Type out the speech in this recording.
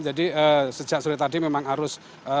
jadi sejak sore tadi memang arus mudik